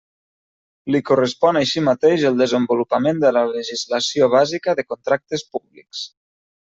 L'hi correspon així mateix el desenvolupament de la legislació bàsica de contractes públics.